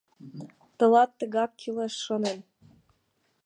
«Тылат тыгак кӱлеш», — шонем.